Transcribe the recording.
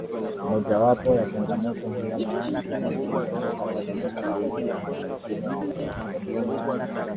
Mojawapo ya changamoto hizo ni kushikwa na magonjwa kama vile kideri na mengine yanayosababisha